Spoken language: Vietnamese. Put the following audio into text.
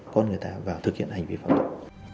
con người ta vào thực hiện hành vi pháp luật